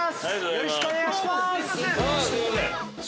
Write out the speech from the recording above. ◆よろしくお願いします。